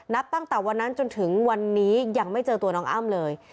ตั้งแต่วันนั้นจนถึงวันนี้ยังไม่เจอตัวน้องอ้ำเลย